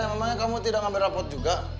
memangnya kamu tidak ngambil rapot juga